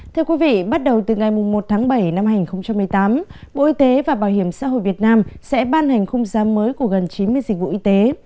thưa quý vị bắt đầu từ ngày một tháng bảy năm hai nghìn một mươi tám bộ y tế và bảo hiểm xã hội việt nam sẽ ban hành khung giá mới của gần chín mươi dịch vụ y tế